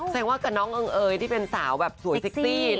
แสดงว่ากับน้องเอิงเอยที่เป็นสาวแบบสวยเซ็กซี่